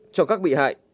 cho các bị bắt